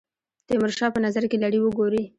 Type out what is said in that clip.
تیمورشاه په نظر کې لري وګوري.